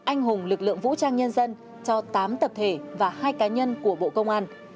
anh hùng lực lượng vũ trang nhân dân cho tám tập thể và hai cá nhân của bộ công an